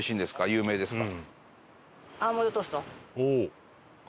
有名ですか？